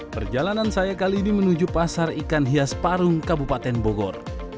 perjalanan saya kali ini menuju pasar ikan hias parung kabupaten bogor